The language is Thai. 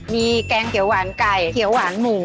มีแกงเขียวหวานไก่เขียวหวานหมู